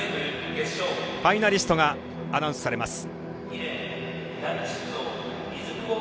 ファイナリストがアナウンスされます。